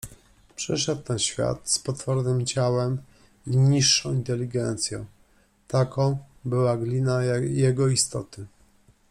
Przyszedł na świat z potwornym ciałem i niższą inteligencją. Taką była glina jego istoty